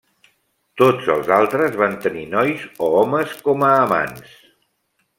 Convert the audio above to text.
Tots els altres van tenir nois o homes com a amants.